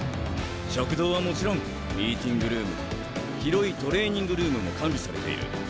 食堂はもちろんミーティングルーム広いトレーニングルームも完備されている。